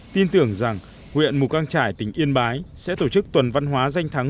tin tưởng rằng huyện mù căng trải tỉnh yên bái sẽ tổ chức tuần văn hóa danh thắng